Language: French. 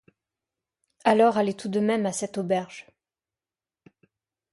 Alors allez tout de même à cette auberge